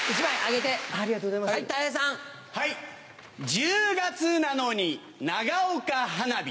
１０月なのに長岡花火。